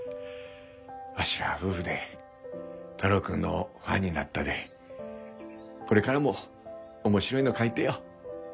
わしら夫婦で太郎くんのファンになったでこれからも面白いの書いてよ。